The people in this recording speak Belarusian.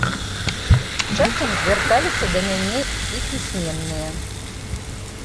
Часам звярталіся да мяне і пісьменныя.